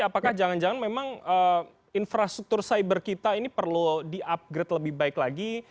apakah jangan jangan memang infrastruktur cyber kita ini perlu di upgrade lebih baik lagi